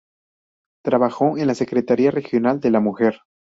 Trabajó en la Secretaría Regional de la Mujer.